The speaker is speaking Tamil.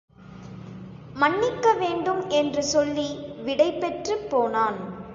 மன்னிக்கவேண்டும் என்று சொல்லி விடைபெற்றுப் போனான்.